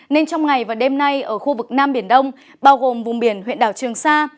nên trong ngày và đêm nay ở khu vực nam biển đông bao gồm vùng biển huyện đảo trường sa